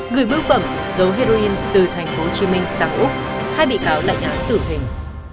gửi bức phẩm giấu heroin từ tp hcm sang úc hai bị cáo lạnh án tử hình